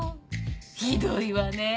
ひどいわねえ